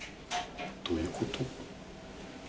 どういうこと？